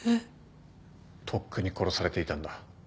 とっくに殺されていたんだ。